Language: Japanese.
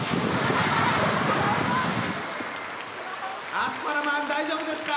アスパラマン大丈夫ですか？